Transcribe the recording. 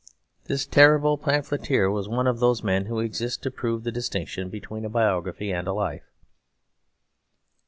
This terrible pamphleteer was one of those men who exist to prove the distinction between a biography and a life.